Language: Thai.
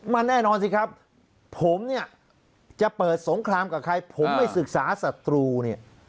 มันแน่นอนสิครับผมเนี่ยจะเปิดสงครามกับใครผมไม่ศึกษาศัตรูเนี่ย